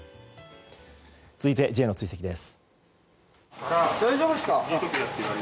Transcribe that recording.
続いてＪの追跡です。